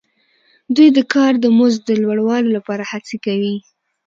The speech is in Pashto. دوی د کار د مزد د لوړوالي لپاره هڅې کوي